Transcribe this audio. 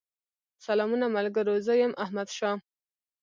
سلامونه ملګرو! زه يم احمدشاه